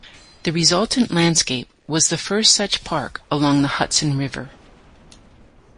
The resultant landscape was the first such park along the Hudson River.